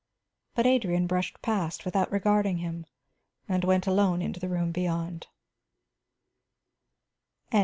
But Adrian brushed past without regarding him, and went alone into the room beyond.